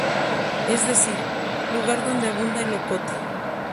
Es decir ""lugar donde abunda el ocote"".